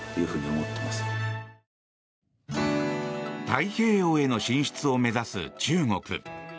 太平洋への進出を目指す中国。